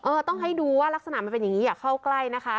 ต้องให้ดูว่ารักษณะมันเป็นอย่างนี้อย่าเข้าใกล้นะคะ